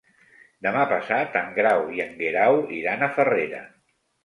Demà passat en Grau i en Guerau iran a Farrera.